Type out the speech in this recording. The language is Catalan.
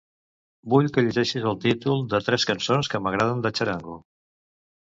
Vull que llegeixis els títols de les cançons que m'agraden de Txarango.